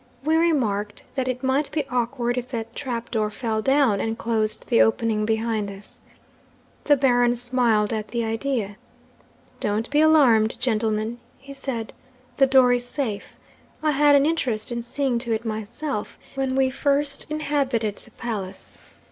We remarked that it might be awkward if that trap door fell down and closed the opening behind us. The Baron smiled at the idea. "Don't be alarmed, gentlemen," he said; "the door is safe. I had an interest in seeing to it myself, when we first inhabited the palace.